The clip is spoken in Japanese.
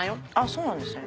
そうなんですね。